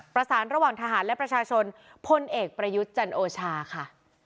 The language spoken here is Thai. ประสานระหว่างทหารและประชาชนพลเอกประยุทธ์จันโอชาค่ะ